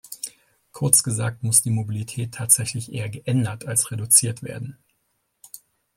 Kurz gesagt, muss die Mobilität tatsächlich eher geändert als reduziert werden.